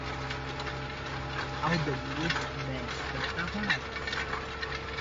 Aldemir Bessa Tavares